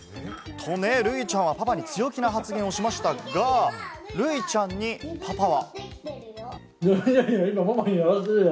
と、るいちゃんはパパに強気な発言をしましたが、るいちゃんにパパは。